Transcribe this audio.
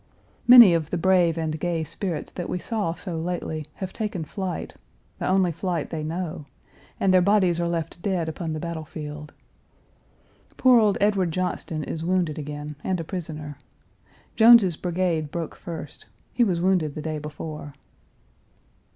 Many of the brave Page 307 and gay spirits that we saw so lately have taken flight, the only flight they know, and their bodies are left dead upon the battle field. Poor old Edward Johnston is wounded again, and a prisoner. Jones's brigade broke first; he was wounded the day before.